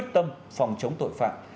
tâm phòng chống tội phạm